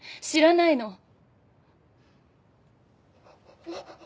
知らないの。